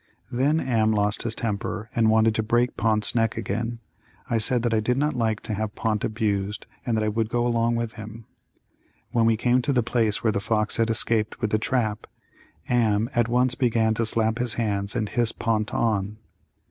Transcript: Then Am lost his temper and wanted to break Pont's neck again. I said that I did not like to have Pont abused and that I would go along with him. When we came to the place where the fox had escaped with the trap Am at once began to slap his hands and hiss Pont on.